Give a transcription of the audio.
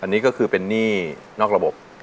อันนี้ก็คือเป็นหนี้นอกระบบ